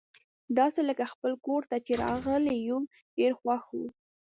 داسي لکه خپل کور ته چي راغلي یو، ډېر خوښ وو.